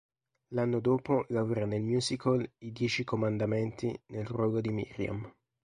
L'anno dopo lavora nel musical "I dieci comandamenti" nel ruolo di Myriam.